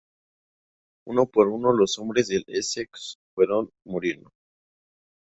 Uno por uno los hombres del "Essex" fueron muriendo.